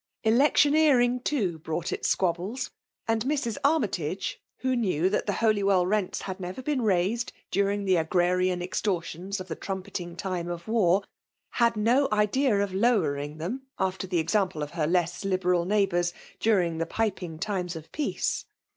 Electioneering, too, brought its squabbles ; and Mrs. Armytage, who knew that the Holywell rents had never been raised during the agrarian extortions of the trumpet ing time of war, had no idea of lowering them, after the example of her less liberal neigb^ bours, during the piping times of peace.